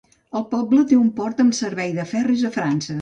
El poble té un port amb servei de ferris a França.